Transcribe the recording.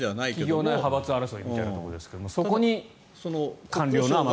企業内派閥争いみたいなところですがそこに官僚の天下りが。